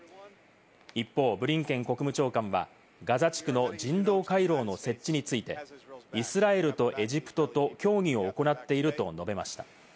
一方、ブリンケン国務長官はガザ地区の人道回廊の設置について、イスラエルとエジプトと協議を行っていると述べました。